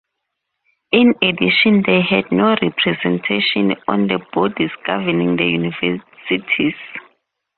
In addition they had no representation on the bodies governing the Universities.